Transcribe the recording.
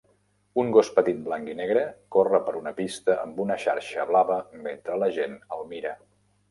Un gos petit blanc i negre corre per una pista amb una xarxa blava mentre la gent el mira.